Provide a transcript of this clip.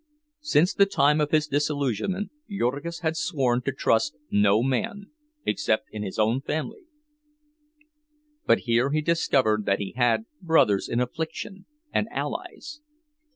Since the time of his disillusionment, Jurgis had sworn to trust no man, except in his own family; but here he discovered that he had brothers in affliction, and allies.